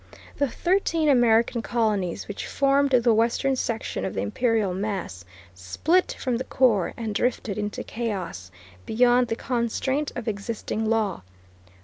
The thirteen American colonies, which formed the western section of the imperial mass, split from the core and drifted into chaos, beyond the constraint of existing law.